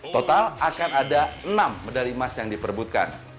total akan ada enam medali emas yang diperbutkan